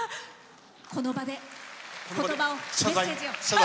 この場でメッセージを。